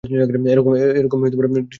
এরকম ডিস্টার্ব করলে, সমস্যা হয় না?